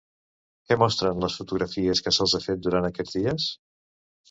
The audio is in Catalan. Què mostren les fotografies que se'ls ha fet durant aquests dies?